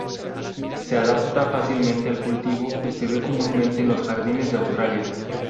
Se adapta fácilmente al cultivo y se ve comúnmente en los jardines de Australia.